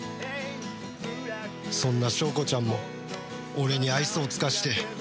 そんな祥子ちゃんも俺に愛想を尽かして。